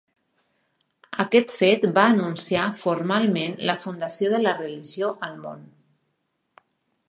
Aquest fet va anunciar formalment la fundació de la religió al món.